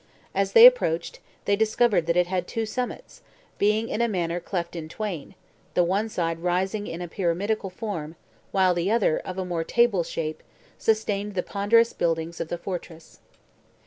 As they approached, they discovered that it had two summits, being in a manner cleft in twain; the one side rising in a pyramidal form; while the other, of a more table shape, sustained the ponderous buildings of the fortress.